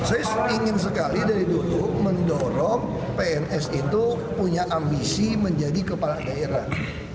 saya ingin sekali dari dulu mendorong pns itu punya ambisi menjadi kepala daerah